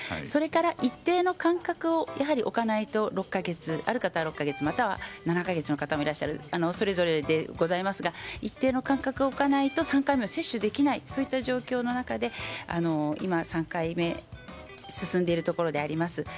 それから一定の間隔を置かないとある方は６か月または７か月の方もいらっしゃってそれぞれですが一定の間隔を置かないと３回目を接種できないという状況の中で今３回目進んでいるところであります。